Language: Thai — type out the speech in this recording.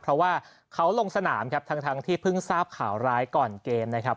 เพราะว่าเขาลงสนามครับทั้งที่เพิ่งทราบข่าวร้ายก่อนเกมนะครับ